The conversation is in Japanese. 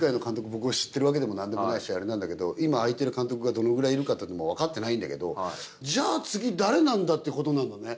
僕が知ってるわけでもないし今あいてる監督がどのぐらいいるかっていうのも分かってないんだけどじゃあ次誰なんだっていうことになんのね。